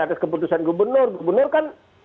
atas keputusan gubernur gubernur kan